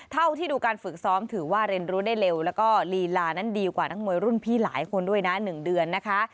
เท่าที่ดูการฝึกซ้อมถือว่าเรียนรู้ได้เร็วแล้วก็ลีลานั้นดีกว่านักมวยรุ่นพี่หลายคนด้วยนะ๑เดือนนะคะ